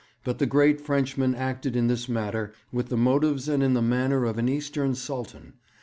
But the great Frenchman acted in this matter with the motives and in the manner of an Eastern Sultan.